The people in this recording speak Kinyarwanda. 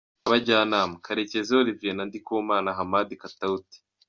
Abajyanama: Karekezi Olivier na Ndikumana Hamadi Katauti.